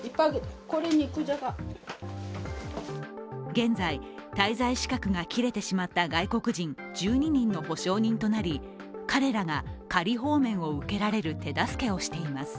現在、滞在資格が切れてしまった外国人１２人の保証人となり彼らが仮放免を受けられる手助けをしています。